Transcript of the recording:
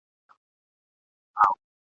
له ملوک سره وتلي د بدریو جنازې دي ..